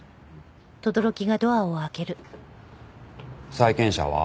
債権者は？